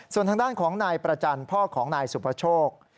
ส่วนทางด้านของนายประจันทร์พ่อของนายสุภโชค